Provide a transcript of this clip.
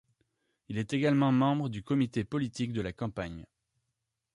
Il est également membre du comité politique de la campagne.